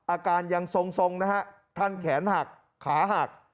อาการยังทรงนะฮะท่านแขนหักขาหัก